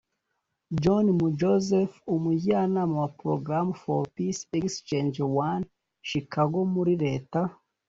John Mjoseth umujyanama wa Program for Peace exchange I Chicago muri Leta